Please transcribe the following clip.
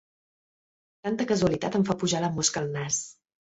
Tanta casualitat em fa pujar la mosca al nas.